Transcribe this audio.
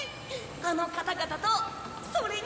あの方々とそれに。